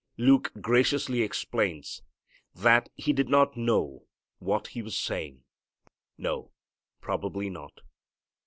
Luke graciously explains that he did not know what he was saying. No, probably not.